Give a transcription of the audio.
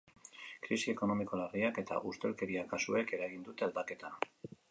Krisi ekonomiko larriak eta ustelkeria kasuek eragin dute aldaketa.